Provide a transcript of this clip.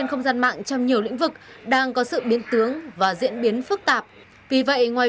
không gian mạng trong nhiều lĩnh vực đang có sự biến tướng và diễn biến phức tạp vì vậy ngoài